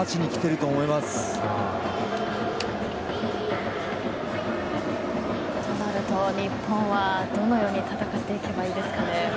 となると日本はどのように戦っていけばいいですかね。